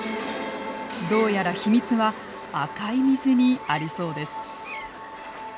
どうやら秘密は赤い水にありそうです。